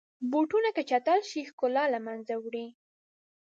بوټونه که چټل شي، ښکلا له منځه وړي.